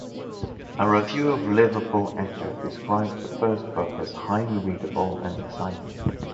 A review of "Liverpool Echo" described the first book as "highly readable and exiting".